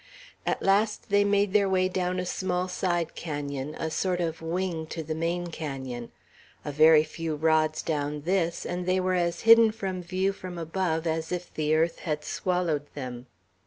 At last they made their way down a small side canon, a sort of wing to the main canon; a very few rods down this, and they were as hidden from view from above as if the earth had swallowed them.